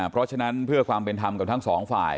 เพราะฉะนั้นเพื่อความเป็นธรรมกับทั้งสองฝ่าย